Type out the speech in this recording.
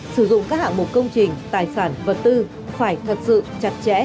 sử dụng các hạng mục công trình tài sản vật tư phải thật sự chặt chẽ